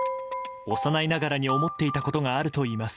幼いながらに思っていたことがあるといいます。